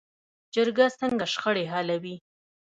جرګه څنګه شخړې حلوي؟